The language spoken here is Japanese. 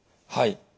はい。